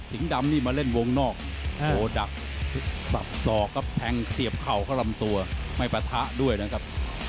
สิงห์ดำนี่มาเล่นวงนอกโอ๊ดักสอบกะแพงเสียบเข่าก็ลำตัวไม่ประทะด้วยนะครับ